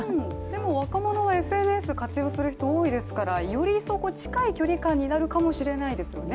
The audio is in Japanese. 若者はＳＮＳを活用する方多いですからより一層、近い距離感になるかもしれないですよね。